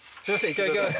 いただきます